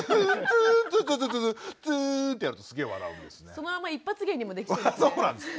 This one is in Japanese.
そのまま一発芸にもできそうですね。